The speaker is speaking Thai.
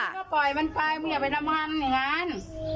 ก็ปล่อยมันไปมึงอย่าไปทำมันอย่างนั้น